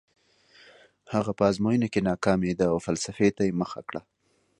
هغه په ازموینو کې ناکامېده او فلسفې ته یې مخه کړه